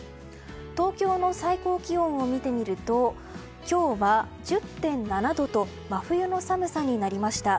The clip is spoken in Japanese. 東京の最高気温を見てみると今日は１０．７度と真冬の寒さになりました。